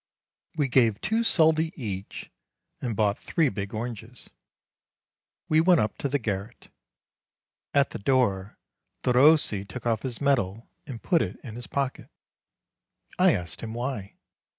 We gave two soldi each, and bought three big oranges. We went up to the garret. At the door Derossi took off his medal and put it in his pocket. I asked him why.